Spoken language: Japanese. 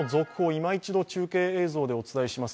いま一度、中継映像でお伝えします